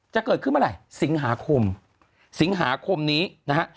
จะเกิดขึ้นเมื่อไหร่สิงหาคมสิงหาคมนี้นะฮะ